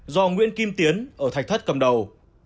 do nguyễn kim tiến ở thạch thất cầm đầu